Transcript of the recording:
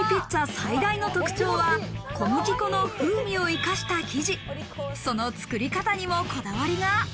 最大の特徴は小麦粉の風味を生かした生地、その作り方にもこだわりが。